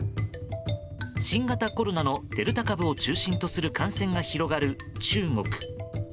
新型コロナのデルタ株を中心とする感染が広がる中国。